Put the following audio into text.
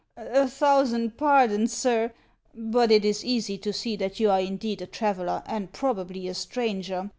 A thousand pardons, sir. But it is easy to see that you are indeed a traveller, and probably a stranger.